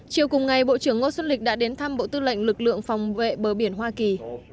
chiều cùng ngày bộ trưởng ngô xuân lịch đã đến thăm bộ tư lệnh lực lượng phòng vệ bờ biển hoa kỳ